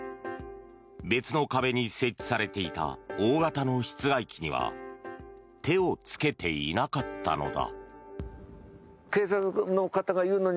別の壁に設置されていた大型の室外機には手をつけていなかったのだ。